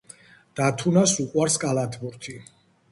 დათუნას უყვარს კალათბურთი